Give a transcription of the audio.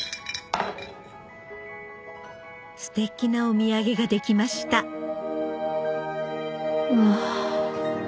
ステキなお土産ができましたわ。